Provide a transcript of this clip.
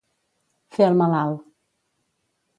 Fer el malalt.